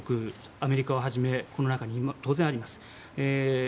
アメリカをはじめこの中に当然あります。